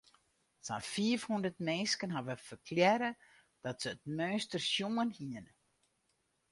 Sa'n fiifhûndert minsken hawwe ferklearre dat se it meunster sjoen hiene.